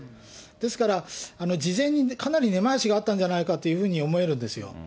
ですから、事前にかなり根回しがあったんじゃないかと思えるんですよ。